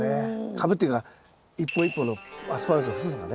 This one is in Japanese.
株っていうか一本一本のアスパラガスの太さがね。